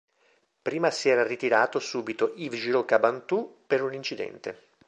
Prima si era ritirato subito Yves Giraud-Cabantous per un incidente.